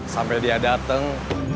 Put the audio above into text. sampai dia dateng